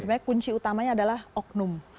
sebenarnya kunci utamanya adalah oknum